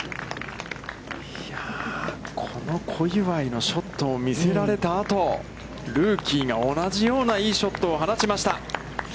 この小祝のショットを見せられたあと、ルーキーが同じようないいショットを放ちました。